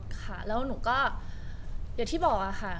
ค่ะแล้วหนูก็เหลือที่บอกอ่ะค่ะ